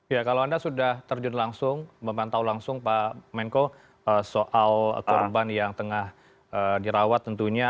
ya kalau anda sudah terjun langsung memantau langsung pak menko soal korban yang tengah dirawat tentunya